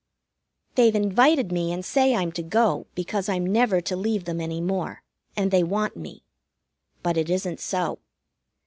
They've invited me and say I'm to go, because I'm never to leave them any more, and they want me. But it isn't so.